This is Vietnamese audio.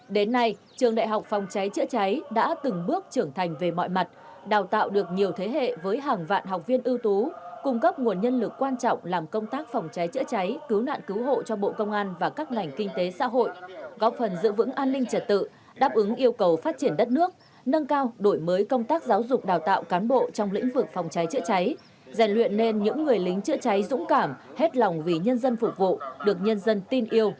đến nay trường đại học phòng cháy chữa cháy đã từng bước trưởng thành về mọi mặt đào tạo được nhiều thế hệ với hàng vạn học viên ưu tú cung cấp nguồn nhân lực quan trọng làm công tác phòng cháy chữa cháy cứu nạn cứu hộ cho bộ công an và các ngành kinh tế xã hội góp phần giữ vững an ninh trật tự đáp ứng yêu cầu phát triển đất nước nâng cao đổi mới công tác giáo dục đào tạo cán bộ trong lĩnh vực phòng cháy chữa cháy giải luyện nên những người lính chữa cháy dũng cảm hết lòng vì nhân dân phục vụ được nhân dân tin yêu